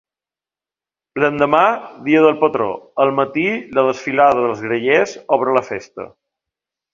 L'endemà, dia del patró, al matí, la desfilada dels grallers obre la festa.